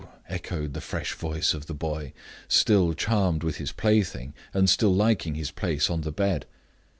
echoed the fresh voice of the boy, still charmed with his plaything, and still liking his place on the bed.